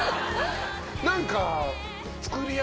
何か。